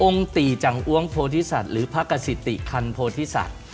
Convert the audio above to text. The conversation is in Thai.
องค์ติจังอ้วงโพธิศัตริย์หรือพระกสิติคัญโพธิศัตริย์